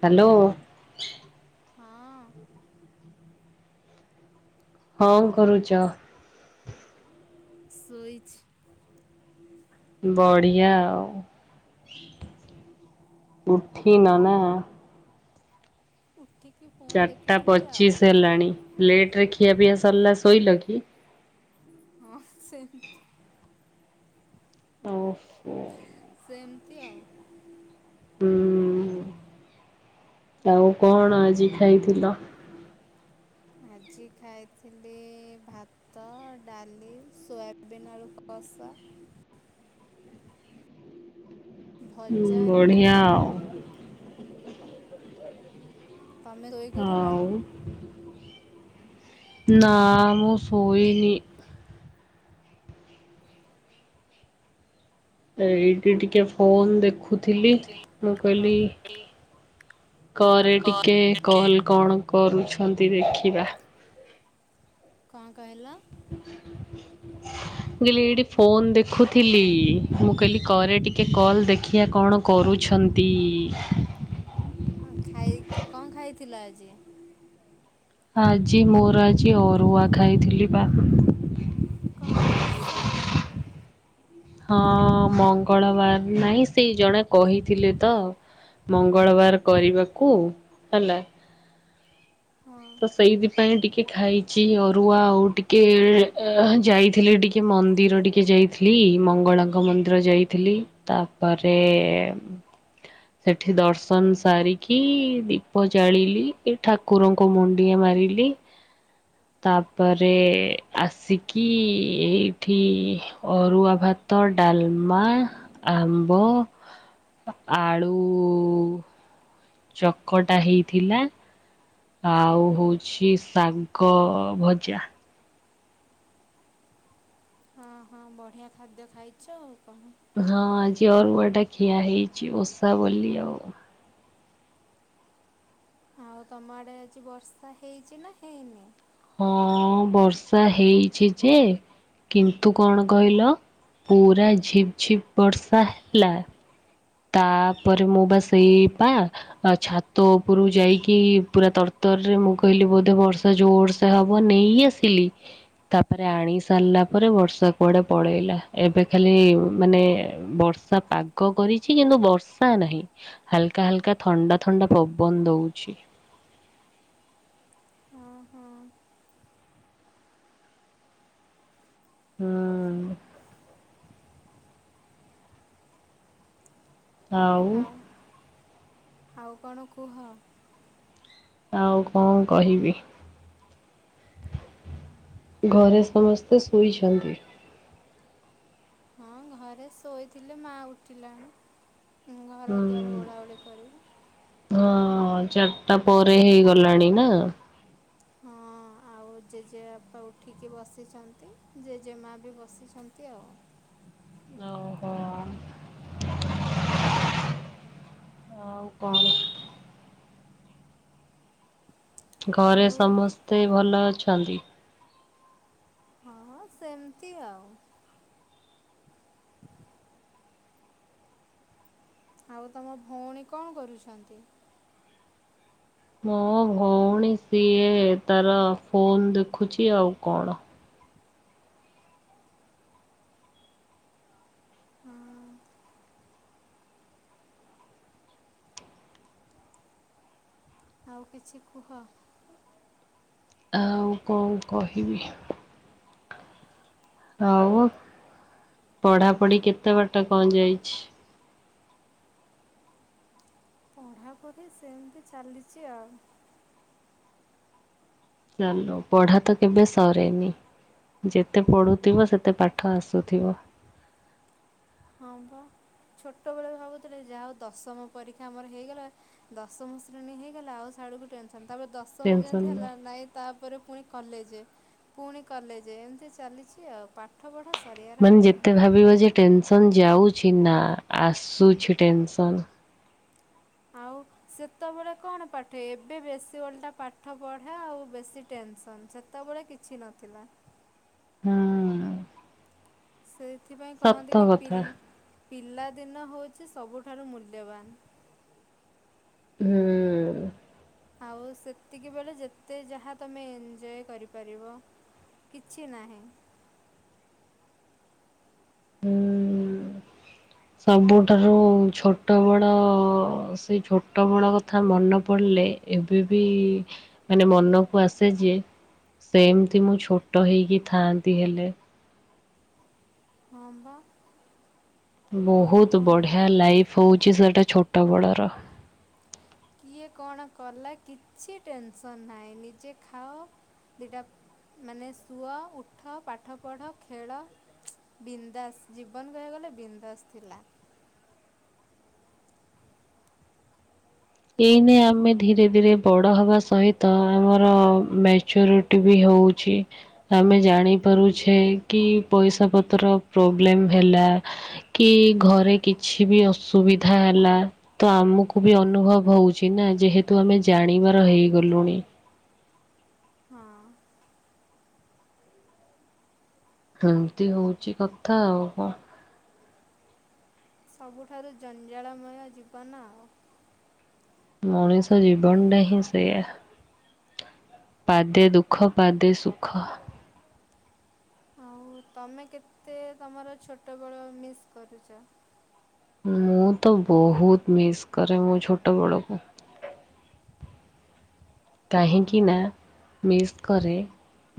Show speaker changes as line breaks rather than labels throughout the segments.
Hello.
ହଁ।
ହଁ କରୁଛ?
ଶୋଇଛି।
ବଢିଆ ଆଉ। ଉଠିନ ନା।
ଉଠିକ
ଚାରିଟା ପଚିଶ ହେଲାଣି ଲେଟ ରେ ଖିଆ ପିଆ ସରିଲା ଶୋଇଲ କି?
ହଁ ସେମତି
ଓହୋ।
ସେମତି ଆଉ।
ହୁଁ। ଆଉ କଣ ଆଜି ଖାଇଥିଲ?
ଆଜି ଖାଇଥିଲି ଭାତ ଡାଲି ସୋୟାବିନ ଆଳୁ କ କଷା।
ହ ହୁଁ
ଭଜା ଏମିତି
ବଢିଆ ଆଉ।
ତମେ ଶୋଇକି ଉଠିଲଣି?
ଆଉ ନା ମୁଁ ଶୋଇନି। ଏଇଠି ଟିକେ ଫୋନ ଦେଖୁ ଖୁଥିଲି ମୁଁ କହିଲି କରେ ଟିକେ କଲ୍ କଣ କରୁଛନ୍ତି ଦେଖିବା।
କଣ କହିଲ?
ମୁଁ କହିଲି ଏଇଠି ଫୋନ ଦେଖୁଥିଲି ମୁଁ କହିଲି କରେ ଟିକେ କଲ୍ ଦେଖିବା କଣ କରୁଛ ଛନ୍ତି?
ହଁ ଖାଇକି କଣ ଖାଇଥିଲ ଆଜି?
ଆଜି ମୋର ଆଜି ଅରୁଆ ଖାଇଥିଲି ବା।
କଣ ଓଷା?
ହଁ ମଙ୍ଗଳବାର ନାହିଁ ସେଇ ଜଣେ କହିଥିଲେ ତ ମଙ୍ଗଳବାର କରିବାକୁ ହେଲା
ହଁ
ତ ସେଇଥିପାଇଁ ଟିକେ ଖାଇଛି ଅରୁଆ ଆଉ ଟିକେ ଯାଇଥିଲି ଟିକେ ମନ୍ଦିର ଟିକେ ଯାଇଥିଲି ମଙ୍ଗଳାଙ୍କ ମନ୍ଦିର ଯାଇଥିଲି ତାପରେ ସେଠି ଦର୍ଶନ ସାରିକି ଦୀପ ଜାଳିଲି ଏ ଠାକୁର କୁ ମୁଣ୍ଡିଆ ମାରିଲି। ତାପରେ ଆସିକି ଏଇଠି ଅରୁଆ ଭାତ ଭାତ, ଡାଲମା ଆମ୍ବ ଆଳୁ ଚକଟା ହେଇଥିଲା। ଆଉ ହଉଚି ଶାଗ ଭଜା।
ହଁ ହଁ ବଢିଆ ଖାଦ୍ୟ ଖାଇଛ ଆଉ କଣ?
ହଁ ଆଜି ଅରୁଆଟା ଖିଆ ହେଇଛି ଓଷା ବୋଲି ଆଉ।
ଆଉ ତମ ଆଡେ ଆଜି ବର୍ଷା ହେଇଛି ନା ହେଇନି?
ହଁ ବର୍ଷା ହେଇଛି ଯେ କିନ୍ତୁ କଣ କହିଲ ପୁରା ଝିପ୍ ଝିପ୍ ବର୍ଷା ହେଲା। ତାପରେ ମୁଁ ବା ସେଇ ପା ଛାତ ଉପରୁ ଯାଇକି ପୁରା ତର୍ ତର୍ ରରେ ମୁଁ କହିଲି ବୋଧେ ବର୍ଷା ଜୋର୍ ସେ ହବ ନେଇ ଆସିଲି ତାପରେ ଆଣି ସାରିଲା ପରେ ବର୍ଷା କୁଆଡେ ପଳେଇଲା ଏବେ ଖାଲି ମାନେ ବର୍ଷ ବର୍ଷା ପାଗ କରି କିନ୍ତୁ ବର୍ଷା ନାହିଁ ହାଲକା ହାଲକା ଥଣ୍ଡା ଥଣ୍ଡା ପବନ ଦଉଛି।
ହଁ ହଁ
ହୁଁ। ଆଉ।
ଆଉ କଣ କୁହ?
ଆଉ କଣ କହିବି? ଘରେ ସମସ୍ତେ ଶୋଇଛନ୍ତି।
ହଁ ଘରେ ଶୋଇଥିଲେ, ମା ଉଠିଲାଣି। ଘର
ହୁଁ-
ଦ୍ୱାର ଓଳାଓଳି କରିବୁ
ହଁ। ହଁ ଚାରିଟା ପରେ ହେଇଗଲାଣି ନା।
ହଁ। ଆଉ ଜେଜେ ବାପା ଉଠିକି ବସିଛନ୍ତି, ଜେଜେମା ବି ବସିଛନ୍ତି ଆଉ।
ଓ ହୋ। ଆଉ କଣ? ଘରେ
ଆଉ
ସମସ୍ତେ ଭଲ ଅଛନ୍ତି?
ହଁ ସେମିତି ଆଉ। ଆଉ ତମ ଭଉଣୀ କଣ କରୁଛନ୍ତି?
ମୋ ଭଉଣୀ ସଏ ତାର ଫୋନ୍ ଦେଖୁଛି। ଆଉ କଣ?
ହଁ ଆଉ କିଛି କୁହ।
ଆଉ କଣ କହିବି? ଆଉ ପଢାପଢି କେତେ ବାଟ କଣ ଯାଇଛି?
ପଢ଼ାପଢ଼ି ସେମିତି ଚାଲିଛି ଆଉ।
ଚାଲୁ ପଢା ତ କେବେ ସରେନି। ଯେତେ ପଢୁଥିବ ସେତେ ପାଠ ଆସୁଥିବ।
ହଁ ବା। ଛୋଟ ବେଳେ ଭାବୁଥିଲେ ଯାହା ହଉ, ଦଶମ ପରୀକ୍ଷା ଆମର ହେଇଗଲା ଦଶମ ଶ୍ରେଣୀ ହେଇଗଲା ଆଉ ସାଡୁକୁ ଟେନ୍ସ୍ ତାପରେ ଦଶମ
ଟେନସନ୍
ଯେମିତି
ନାହିଁ।
ହେଲା, ନାଇଁ ତା ପରେ ପୁଣି କଲେଜ ପୁଣି କଲେଜ ଏମିତି ଚାଲିଛି ଆଉ, ପାଠ ପଢ଼ା ସ
ମାନେ ଯେତେ ଭାବିବ ଯେ ଟେନ୍ ଟେନସନ ଯାଉଛି ନା ଆସୁଛି ଟେନ୍ସନ୍।
ଆଉ। ସେତେବେଳେ କଣ, ପାଠ ଏବେ ବେଶୀ ଓଲଟା ପାଠ ପଢା ଆଉ ବେଶୀ ଟେନସନ ସେତବେ ସେତେବେଳେ କିଛି ନଥିଲା।
ହୁଁ।
ସେଥିପାଇଁ
ସତ
କହନ୍ତି କି ପି
କଥା
ପିଲାଦିନ ହେଉଛି ସବୁଠାରୁ ମୂଲ୍ୟବାନ।
ହୁଁ।
ଆଉ ସେତିକିବେଳେ ଯେତେ ଯାହା ତମେ ଏଞଜୟ କରିପାରିବ। କିଛି ନାହିଁ।
ହୁଁ। ସବୁଠାରୁ ଛୋଟ ବଳ ସେ ଛୋଟ ବଳ କଥା ମନେ ପଡିଲେ ଏବେ ବି ମାନେ ମନକୁ ଆସେ ଯେ ସେମତି ମୁଁ ଛୋଟ ହେଇକି ଥାଆନ୍ତି ହେଲେ।
ହଁ ବା। ଆଉ
ବହୁତ
କ'ଣ?
ବଢିଆ ଲାଇଫ ହଉଛି ସେଟା ଛୋଟବେଳର।
କିଏ କଣ କଲା କିଛି ଟେନସନ ନାହିଁ? ନିଜେ ଦିଇଟା ମାନେ ଶୁଅ ଉଠ ପାଠପଢ଼ ଖେଳ ବିନ୍ଦାସ ଜୀବନ କହିଆକୁ ଗଲେ ବିନ୍ଦାସ ଥିଲା।
ଏଇନେ ଆମେ ଧୀରେ ଧୀରେ ବଡ ହବା ସହିତ ଆମର ମ୍ୟାଚୁରିଟି ବି ହବ ହଉଛି, ଆମେ ଜାଣିପାରୁଛେ କି ପଇସା ପତ୍ର ପ୍ରୋବ୍ଲେମ ହେଲା କି ଘରେ କିଛି ବି ଅସୁବିଧା ହେଲା, ତ ଆମକୁ ବି ଅନୁଭବ ହଉଛି ନା, ଯେହେତୁ ଆମେ ଜାଣିବାର ହେଇଗଲୁଣି।
ହଁ
ଏମତି ହଉଚି କଥା ଆଉ କଣ?
ସବୁଠାରୁ ଜଞ୍ଜାଳମୟ ଜୀବନ ଆଉ।
ମଣିଷ ଜୀବନଟା ହିଁ ସେୟା। ପାଦେ ଦୁଃଖ ପାଦେ ସୁଖ।
ଆଉ ତମେ କେତେ ତମର ଛୋଟବେଳ ମିସ୍ କରୁଚ?
ମୁଁ ତ ବହୁତ ମିସ୍ କରେ ମୋ ଛୋଟବେଳକୁ। କାହିଁକିନା ମିସ୍ କରେ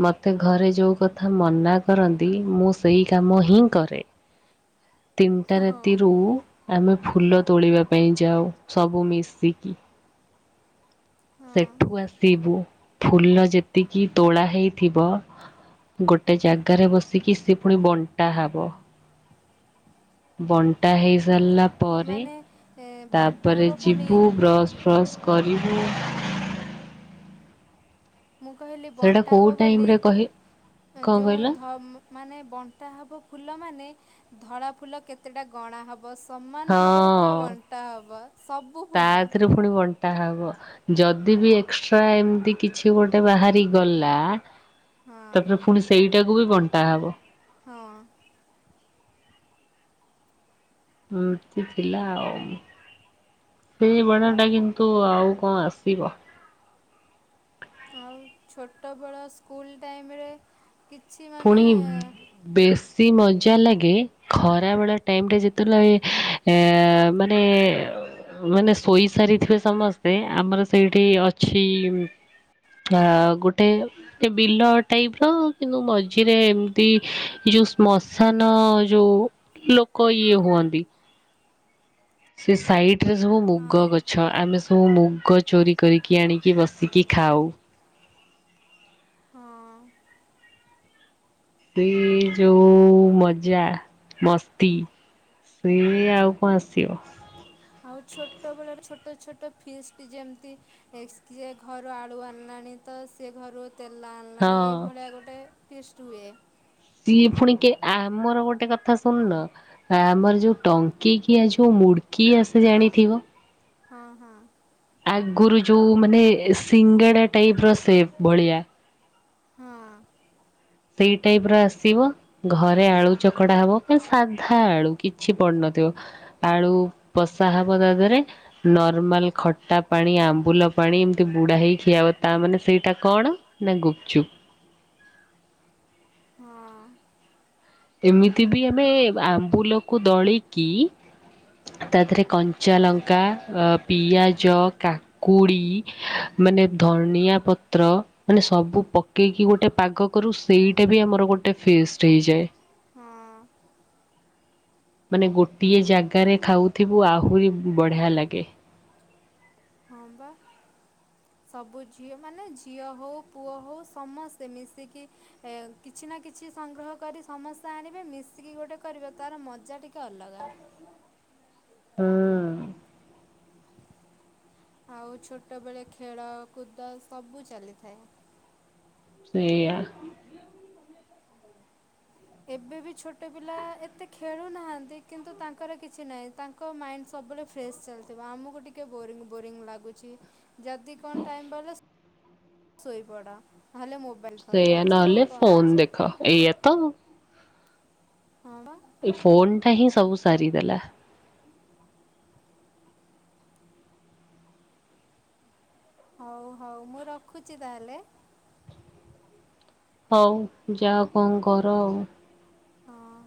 ମତେ ଘରେ ଯୋଉ କଥା ମନା କରନ୍ତି, ମୁଁ ସେଇ କାମ ହିଁ କରେ। ତିନଟା
ହଁ
ରାତିରୁ ଆମେ ଫୁଲ ତୋଳିବା ପାଇଁ ଯାଉ, ସବୁ ମିଶିକି।
ହଁ
ସେଠୁ ଆସିବୁ, ଫୁଲ ଯେତିକି ତୋଳା ହେଇଥିବ ଗୋଟେ ଜାଗାରେ ବସିକି ସେ ପୁଣି ବଣ୍ଟା ହବ। ବଣ୍ଟା ହେଇସାରିଲା ପରେ,
ମାନେ ଏ, ବଣ୍ଟା
ତାପରେ
ହବ ପୁଣି
ଯିବୁ ବ୍ରସ୍ ଫ୍ରସ୍ କରିବୁ
ମୁଁ କହିଲି
ସେଇଟା
ବଣ୍ଟା ହବ
କୋଉ
ବୋଲି
ଟାଇମରେ କହି କଣ
ଯୋଉଁ
କହିଲ?
ଧ ମାନେ ବଣ୍ଟା ହବ ଫୁଲ ମାନେ ଧଳା ଫୁଲ କେତେଟା ଗଣା ହବ ସମାନ ଭାବରେ ପୁରା
ହଁ
ବଣ୍ଟା ହବ, ସବୁ
ତା
ଫୁଲ।
ଦେହରେ ପୁଣି ବଣ୍ଟା ହବ ଯଦି ବି ଏକ୍ସଟ୍ରା ଏମତି କିଛି ଗୋଟେ ବାହାରି ଗଲା
ହଁ
ତାପରେ ପୁଣି ସେଇଟାକୁ ବି ବଣ୍ଟା ହବ।
ହଁ।
ଏମତି ଥିଲା ଆଉ। ସେଇ ବେଣାଟା କିନ୍ତୁ ଆଉ କଣ ଆସିବ?
ଆଉ ଛୋଟବେଳ ସ୍କୁଲ ଟାଇମରେ କିଛି ମାନେ
ସେଇ ମଜା ଲାଗେ ଖରାବେଳ ଟାଇମରେ ଯେତେବେଳେ ମାନେ ମାନେ ଶୋଇ ସାରିଥିବେ ସମସ୍ତେ, ଆମର ସେଇଠି ଅଛି ଟା ଗୋଟେ ବିଲ ଟାଇପର କିନ୍ତୁ ମଜ୍ ମଝିରେ ଏମତି ଯୋଉ ଶ୍ମଶାନ ଯୋଉ ଲୋକ ଇଏ ହୁଅନ୍ତି ସେ ସାଇଡରେ ସବୁ
ହଁ
ମୁଗ ଗଛ। ଆମେ ସବୁ ମୁଗ ଚୋରି କରିକି ଆଣିକି ବସିକି ଖାଉ।
ହଁ
ସେ ଯୋଉ ମଜା, ମସ୍ତି ସିଏ ଆଉ କଣ ଆସିବ?
ଆଉ ଛୋଟବେଳର ଛୋଟ ଛୋଟ ଫିଷ୍ଟି ଯେମତି ଏସକେ ଘରୁ ଆଳୁ ଆଣିଲାଣି ତ ତ ସେ ଘରୁ ତେଲ
ହଁ
ଆଣିଲାଣି, ଏଇଭଳିଆ ଗୋଟେ ଫିଷ୍ଟ ହୁଏ।
ସିଏ ଫୁଣି କେ ଆମର ଗୋଟେ କଥା ଶୁଣୁନ, ଆମର ଯୋଉ ଟଙ୍କିକିଆ ଯୋଉ ମୁଢ଼ି କି ଆସେ ଜାଣିଥିବ?
ହଁ ହଁ।
ଆଗରୁ ଯୋଉ ମାନେ ସିଙ୍ଗେଡା ଟାଇପର ସେପ୍ ଭଳିଆ
ହଁ।
ସେଇ ଟାଇପର ଆସିବ, ଘରେ ଆଳୁ ଚକଡା ହବ କାରଣ ସାଧା ଆଳୁ କିଛି ପଡି ନ ଥିବ, ଆଳୁ ପଶା ହବ ତା ଦେହରେ, ନର୍ମାଲ ଖଟା ପାଣି ଆମ୍ବୁଲ ପାଣି ଏମତି ବୁଡା ହେଇ ଖିଆହବ, ତା ମାନେ ସେଇଟା କଣ ନା ଗୁପଚୁପ।
ହଁ।
ଏମିତି ବି ଆମେ ଆମ୍ବୁଲକୁ ଦଳିକି ତା ଦେହରେ କଞ୍ଚା ଆ ଲଙ୍କା ପିଆଜ କାକୁଡ଼ି ମାନେ ଧନିଆ ପତ୍ର ମାନେ ସବୁ ପକେଇକି ଗୋଟେ ପାଗ କରୁ ସେଇଟା ବି ଆମର ଗୋ ଗୋଟେ ଫିଷ୍ଟ୍ ହେଇଯାଏ।
ହଁ।
ମାନେ ଗୋଟିଏ ଜାଗାରେ ଖାଉଥିବୁ ଆହୁରି ବଢ଼ିଆ ଲାଗେ।
ହଁ ପା। ସବୁ ଝିଅ ମାନେ ଝିଅ ହଉ ପୁଅ ହଉ ସମସ୍ତେ ମିଶିକି ଏଁ କିଛି କିଛି ନା କିଛି ସଂଗ୍ରହ କରି ସମସ୍ତେ ଆଣିବେ ମିଶିକି ଗୋଟେ କରିବେ ତାର ମଜା ଟିକେ ଅଲଗା।
ହଁ।
ଆଉ ଛୋଟବେଳେ ଖେଳକୁୁଦ ସବୁ ଚାଲିଥାଏ।
ସେଇଆ
ଏବେ ବି ଛୋଟ ପିଲା ଏତେ ଖେଳୁ ନାହାନ୍ତି କିନ୍ତୁ ତାଙ୍କର କିଛି ନାହିଁ ତାଙ୍କ ମ ସବୁବେଳେ ଫ୍ରେଶ ଚାଲିଥିବ ଆମକୁ ଟିକେ ବୋରିଙ୍ଗ୍ ବୋରିଙ୍ଗ୍ ଲାଗୁଛି। ଯଦି କଣ ଟାଇମ୍ ପାଇଲ ଶୋଇପଡ଼ ନହେଲେ ମ
ସେଇୟା ନହେଲେ ଫୋନ ଦେଖା ଏଇଆ ତ
ହଁ
ଏ ଫୋନ ଟା ହିଁ ସବୁ ସାରିଦେଲା।
ହଉ ହଉ ମୁଁ ରଖୁଛି ତାହେଲେ।
ହଉ ଯା କଣ କର ଆଉ।
ହଁ